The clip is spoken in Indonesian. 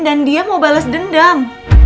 dan dia mau bales dendam